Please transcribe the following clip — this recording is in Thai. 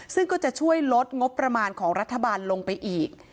ซึ่งก็จะช่วยลดงบประมาณของรัฐบาลลงไปอีก